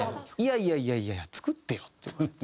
「いやいやいやいや作ってよ」って言われて。